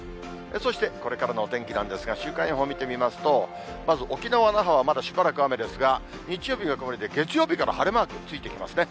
そして、これからのお天気なんですが、週間予報見てみますと、まず沖縄・那覇はまだしばらく雨ですが、日曜日が曇りで、月曜日が晴れマークついてきますね。